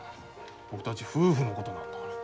僕たち夫婦のことなんだから。